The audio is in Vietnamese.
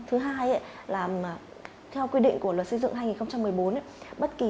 thứ hai là theo quy định của luật xây dựng hai nghìn một mươi bốn